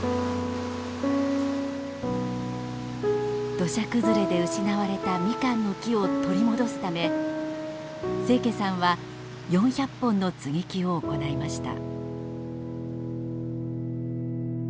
土砂崩れで失われたみかんの木を取り戻すため清家さんは４００本の接ぎ木を行いました。